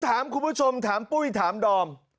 ถามคุณผู้ชมถามปุ้ยถามดอม